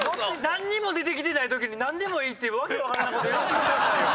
何にも出てないときに何でもいいって訳分からないこと言わんといてくださいよ。